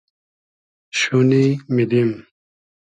شونی میدیم